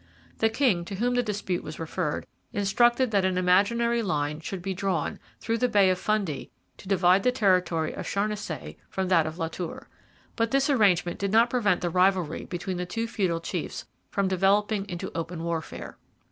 The king, to whom the dispute was referred, instructed that an imaginary line should be drawn through the Bay of Fundy to divide the territory of Charnisay from that of La Tour. But this arrangement did not prevent the rivalry between the two feudal chiefs from developing into open warfare.